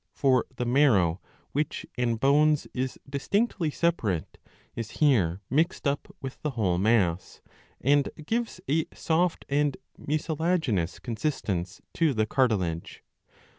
For the marrow, which in bones is distinctly separate, is here mixed up with the whole mass, and gives a soft and mucilaginous consistence to the cartilage.